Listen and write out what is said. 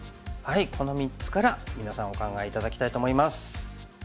この３つから皆さんお考え頂きたいと思います。